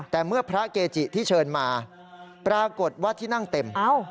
แต่เมื่อพระเกจิที่เชิญมาปรากฏว่าที่นั่งเต็ม